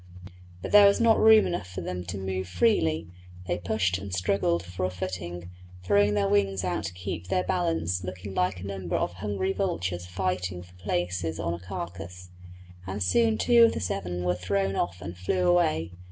But there was not room enough for them to move freely; they pushed and struggled for a footing, throwing their wings out to keep their balance, looking like a number of hungry vultures fighting for places on a carcase; and soon two of the seven were thrown off and flew away.